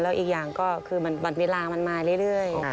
แล้วอีกอย่างก็คือบัตรเวลามันมาเรื่อย